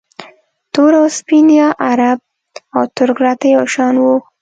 تور او سپین یا عرب او ترک راته یو شان وو